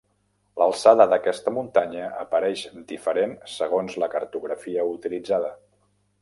L'alçada d'aquesta muntanya apareix diferent segons la cartografia utilitzada.